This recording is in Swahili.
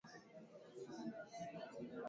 Sabuni yangu imeisha